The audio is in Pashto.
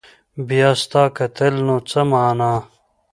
بيا ستا کتل نو څه معنا